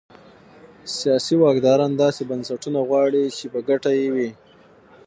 سیاسي واکداران داسې بنسټونه غواړي چې په ګټه یې وي.